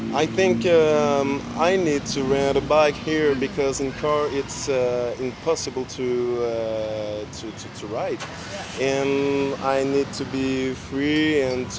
saya pikir saya perlu menerbangkan mobil di sini karena di mobil itu tidak mungkin untuk menerbang